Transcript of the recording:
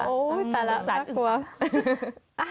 โอ้ยตาลักษณะ